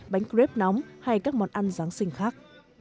bánh krep nóng hay các món ăn giáng sinh khác